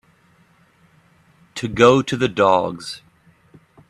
To go to the dogs